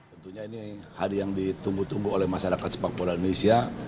tentunya ini hari yang ditunggu tunggu oleh masyarakat sepak bola indonesia